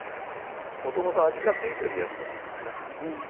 もともと味が付いてるやつだったからね。